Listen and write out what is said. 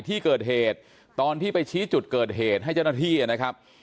ที่เกิดเหตุตอนที่ไปชี้จุดเกิดเหตุให้เจ้าหน้าที่นะครับ